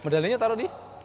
medalinya taruh di